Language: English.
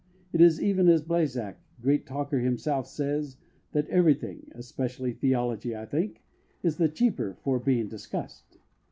It is even as Balzac, great talker himself, says, that everything (especially theology I think) is the cheaper for being discussed.